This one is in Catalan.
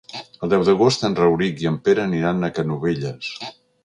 El deu d'agost en Rauric i en Pere aniran a Canovelles.